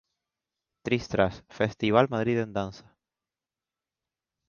Tris Tras.Festival Madrid en Danza.